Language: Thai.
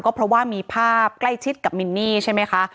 เพราะว่ามีภาพใกล้ชิดกับมินนี่ใช่ไหมคะ